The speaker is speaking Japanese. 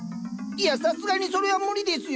いやさすがにそれは無理ですよ。